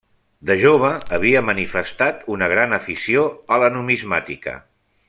De jove havia manifestat una gran afició a la numismàtica.